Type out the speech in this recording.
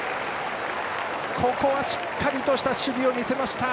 ここはしっかりとした守備を見せました！